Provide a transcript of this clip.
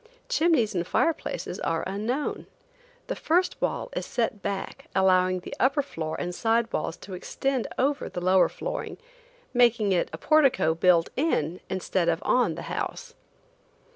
Chimneys and fireplaces are unknown. The first wall is set back, allowing the upper floor and side walls to extend over the lower flooring, making it a portico built in instead of on the house.